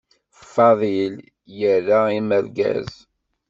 Fadil ira amergaz.